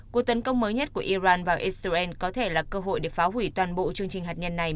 cuộc tấn công mới nhất của iran vào israel có thể là cơ hội để phá hủy toàn bộ chương trình hạt nhân này